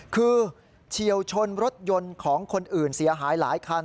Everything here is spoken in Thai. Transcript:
คือเฉียวชนรถยนต์ของคนอื่นเสียหายหลายคัน